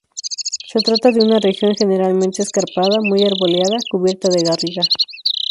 Se trata de una región generalmente escarpada, muy arbolada, cubierta de garriga.